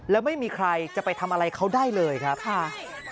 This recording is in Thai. แล้วไม่มีใครจะไปทำอะไรเขาได้เลยครับค่ะ